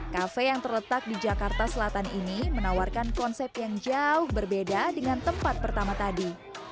kafe yang terletak di jakarta selatan ini menawarkan konsep yang jauh berbeda dengan tempat pertama tadi